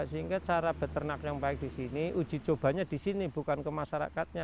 sehingga cara peternak yang baik di sini ujicobanya di sini bukan ke masyarakatnya